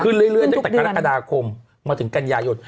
เรื่อยตั้งแต่กรกฎาคมมาถึงกันยายน